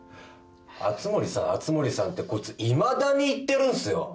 「熱護さん熱護さん」ってこいついまだに言ってるんすよ。